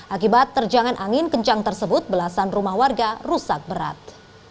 akibat terjangan angin kencang tersebut belasan rumah warga rusak berat